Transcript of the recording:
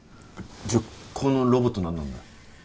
じゃこのロボット何なんだよ？